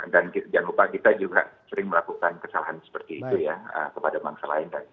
dan jangan lupa kita juga sering melakukan kesalahan seperti itu ya kepada bangsa lain